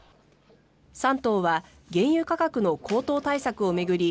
３党は原油価格の高騰対策を巡り